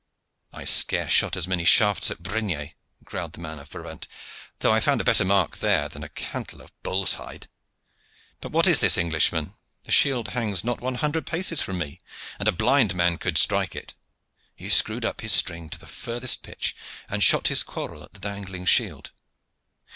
"I scarce shot as many shafts at Brignais," growled the man of Brabant; "though I found a better mark there than a cantle of bull's hide. But what is this, Englishman? The shield hangs not one hundred paces from me, and a blind man could strike it." He screwed up his string to the furthest pitch, and shot his quarrel at the dangling shield.